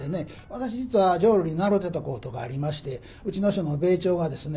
私実は浄瑠璃習うてたことがありましてうちの師匠の米朝がですね